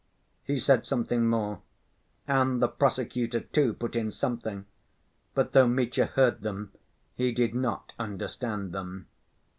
He said something more, and the prosecutor, too, put in something, but though Mitya heard them he did not understand them.